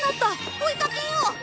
追いかけよう。